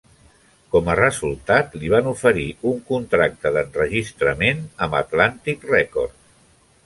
Com a resultat, li van oferir un contracte d'enregistrament amb Atlantic Records.